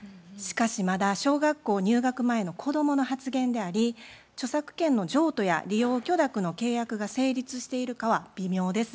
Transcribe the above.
しかしまだ小学校入学前の子供の発言であり著作権の譲渡や利用許諾の契約が成立しているかは微妙です。